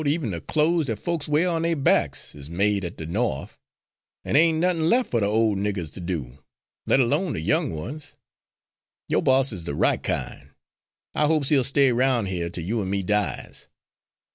even de clothes dat folks wears on dere backs, is made at de Norf, an' dere ain' nothin' lef' fer de ole niggers ter do, let 'lone de young ones. Yo' boss is de right kin'; I hopes he'll stay 'roun' here till you an' me dies."